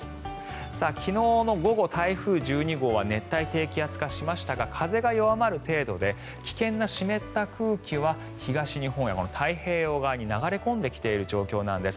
昨日の午後、台風１２号は熱帯低気圧化しましたが風が弱まる程度で危険な湿った空気は東日本、太平洋側に流れ込んできている状況なんです。